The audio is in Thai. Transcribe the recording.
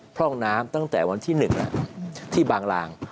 พร่องน้ำตั้งแต่วันที่๑ที่บางลาง